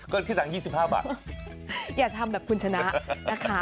ก็คิดตังค์๒๕บาทอย่าทำแบบคุณชนะนะคะ